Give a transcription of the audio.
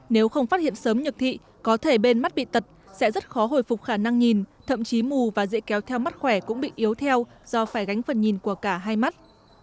nếu không phát hiện sớm nhược thị có thể bên mắt bị tật sẽ rất khó hồi phục khả năng nhìn thậm chí mù và dễ kéo theo mắt khỏe cũng bị yếu theo do phải gánh phần nhìn của cả hai mắt